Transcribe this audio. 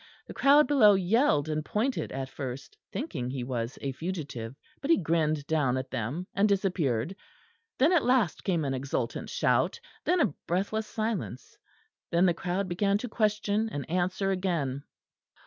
The crowd below yelled and pointed at first, thinking he was a fugitive; but he grinned down at them and disappeared. Then at last came an exultant shout; then a breathless silence; then the crowd began to question and answer again.